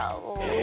え？